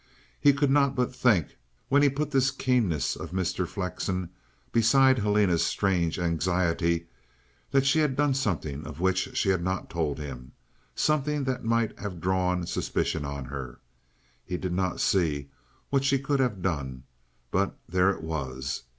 He could not but think, when he put this keenness of Mr. Flexen beside Helena's strange anxiety, that she had done something of which she had not told him, something that might have drawn suspicion on her. He did not see what she could have done; but there it was.